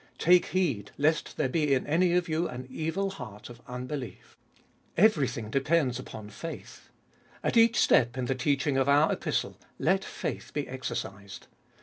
Take heed, lest there be in any of you an evil heart of unbelief. Everything depends upon faith. At each step in the teaching of our Epistle, let faith be exercised.